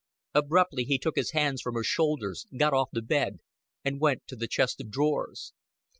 Abruptly he took his hands from her shoulders, got off the bed, and went to the chest of drawers.